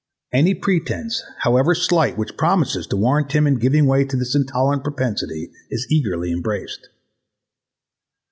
Any pretence, however slight, which promises to warrant him in giving way to this intolerant propensity is eagerly embraced.